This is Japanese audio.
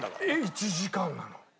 １時間なの。